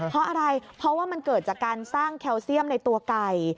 เพราะอะไรเพราะว่ามันเกิดจากการสร้างแคลเซียมในตัวไก่